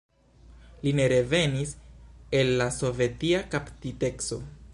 Li ne revenis el la sovetia kaptiteco.